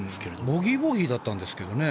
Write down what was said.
ボギー、ボギーだったんですけどね。